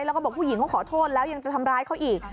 แล้วก็บอกผู้หญิงเขาขอโทษแล้วยังจะทำร้ายเขาอีก